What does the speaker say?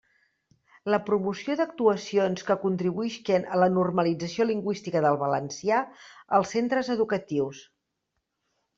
La promoció d'actuacions que contribuïsquen a la normalització lingüística del valencià als centres educatius.